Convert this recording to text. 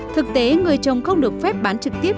thực tế người trồng không được phép bán trực tiếp